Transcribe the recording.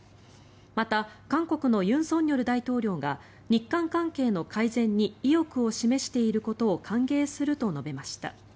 また、韓国の尹錫悦大統領が日韓関係の改善に意欲を示していることを歓迎すると述べました。